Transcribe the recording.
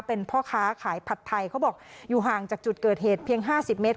เป็นพ่อค้าขายผัดไทยเขาบอกอยู่ห่างจากจุดเกิดเหตุเพียง๕๐เมตร